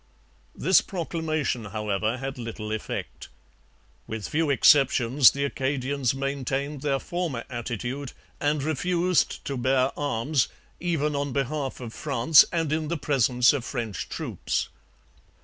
This proclamation, however, had little effect. With few exceptions the Acadians maintained their former attitude and refused to bear arms, even on behalf of France and in the presence of French troops.